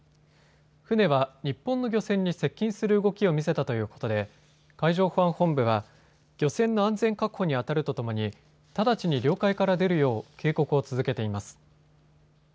船は日本の漁船に接近する動きを見せたということで海上保安本部は漁船の安全確保に当たるとともに直ちに領海から出るよう警告を続けています。